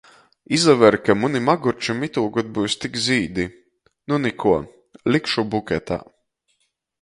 Izaver, ka munim ogūrčim itūgod byus tik zīdi. Nu nikuo, likšu buketā!